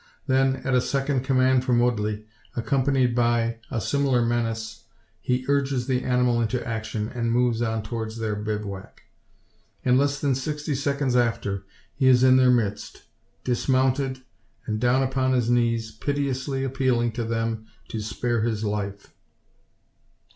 Then, at a second command from Woodley, accompanied by; a similar menace, he urges the animal into action, and moves on towards their bivouac. In less than sixty seconds after, he is in their midst, dismounted and down upon his knees, piteously appealing to them to spare his life.